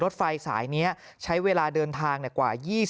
รถไฟสายนี้ใช้เวลาเดินทางกว่า